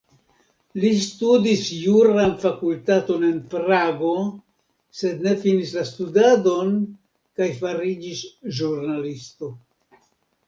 Li studis juran fakultaton en Prago, sed ne finis la studadon kaj fariĝis ĵurnalisto.